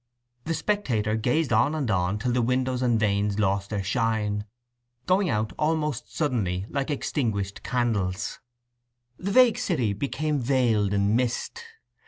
The spectator gazed on and on till the windows and vanes lost their shine, going out almost suddenly like extinguished candles. The vague city became veiled in mist.